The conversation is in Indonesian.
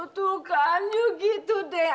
tuh kanu gitu deh